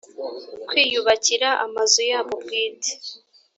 kwiyubakira amazu yabo bwite